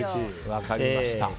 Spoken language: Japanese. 分かりました。